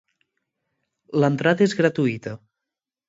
L'entrada és gratuïta.